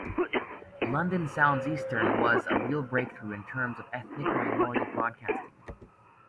'London Sounds Eastern' was a real breakthrough in terms of ethnic minority broadcasting.